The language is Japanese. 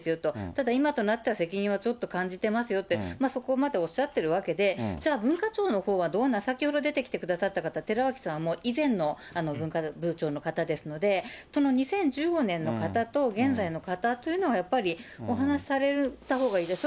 ただ、今となっては責任をちょっと感じてますよって、そこまでおっしゃってるわけで、じゃあ、文化庁のほうはどう、先ほど出てきてくださった方、寺脇さんはもう以前の文化部長の方ですので、その２０１５年の方と現在の方というのが、やっぱりお話しされたほうがいいです。